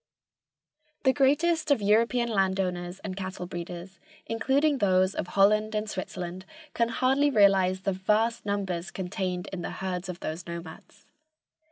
The greatest of European landowners and cattle breeders, including those of Holland and Switzerland, can hardly realize the vast numbers contained in the herds of those nomads.